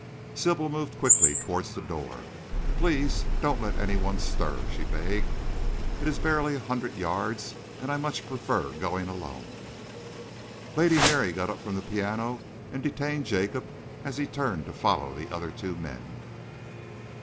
Sybil moved quickly towards the door. "Please don't let any one stir," she begged. "It is barely a hundred yards and I much prefer going alone." Lady Mary got up from the piano and detained Jacob as he turned to follow the other two men.